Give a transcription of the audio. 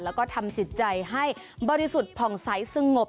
แล้วก็ทำจิตใจให้บริสุทธิ์ผ่องใสสงบ